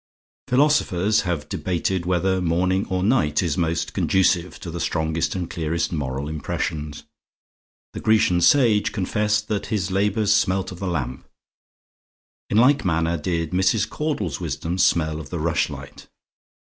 Philosophers have debated whether morning or night is most conducive to the strongest and clearest moral impressions. The Grecian sage confessed that his labours smelt of the lamp. In like manner did Mrs. Caudle's wisdom smell of the rushlight.